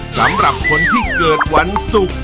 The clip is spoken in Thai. สำหรับคนที่เกิดวันศุกร์